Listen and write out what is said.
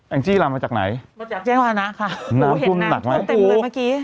แอนกซี่ลารมาจากไหนมาจากแจ้งคะฮนะข่ะน้ำต้มหนักไหมหูหู